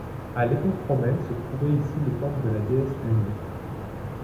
À l'époque romaine se trouvait ici le temple de la déesse Junon.